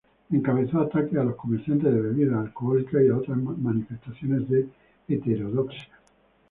Encabezó ataques a los comerciantes de bebidas alcohólicas y a otras manifestaciones de heterodoxia.